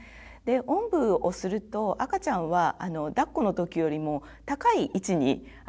おんぶをすると赤ちゃんはだっこの時よりも高い位置に顔がきます。